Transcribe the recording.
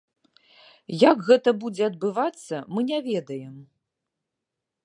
Як гэта будзе адбывацца, мы не ведаем.